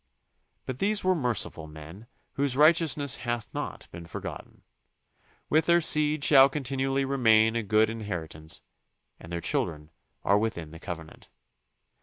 But these were merciful men whose righteousness hath not been forgotten. With their seed shall continually remain a good inheritance and their children are within the covenant.